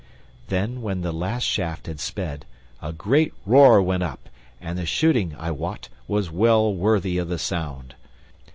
Then, when the last shaft had sped, a great roar went up; and the shooting, I wot, was well worthy of the sound.